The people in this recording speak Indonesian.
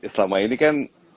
selama ini kan